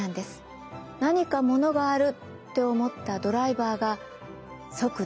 「何かものがある！」って思ったドライバーが速度を落とす。